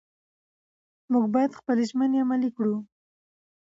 موږ باید خپلې ژمنې عملي کړو